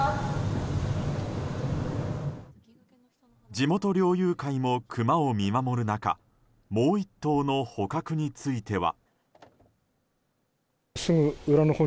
地元猟友会もクマを見守る中もう１頭の捕獲については。